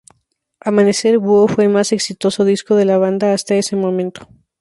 Amanecer Búho fue el más exitoso disco de la banda hasta ese momento.